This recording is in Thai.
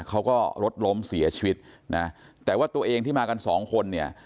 เขาก็รถล้มเสียชีวิตนะแต่ว่าตัวเองที่มากันสองคนเนี่ย